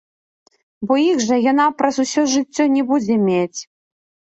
Бо іх жа яна праз усё жыццё не будзе мець.